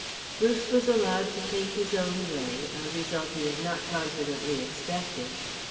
Bruce was allowed to take his own way, a result he had not confidently expected.